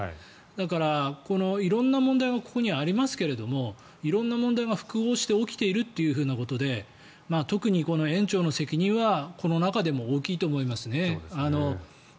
だから、色んな問題がここにはありますけど色んな問題が複合して起きているということで特に園長の責任はこの中でも大きいと思いますね。